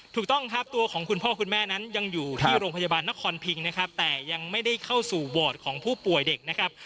ถูกต้องครับตัวของคุณพ่อคุณแม่นั้นยังอยู่ที่โรงพยาบาลนครพิงนะครับแต่ยังไม่ได้เข้าสู่วอร์ดของผู้ป่วยเด็กนะครับ